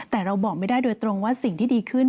แต่เราบอกไม่ได้โดยตรงว่าสิ่งที่ดีขึ้น